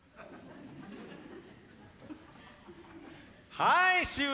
はい終了！